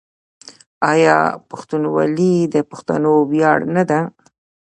آیا پښتونولي د پښتنو ویاړ نه ده؟